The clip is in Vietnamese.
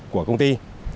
của công ty